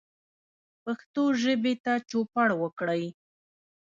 پښتو ژبې ته چوپړ وکړئ